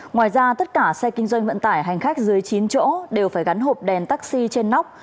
ngoài ra tất cả xe kinh doanh vận tải hành khách dưới chín chỗ đều phải gắn hộp đèn taxi trên nóc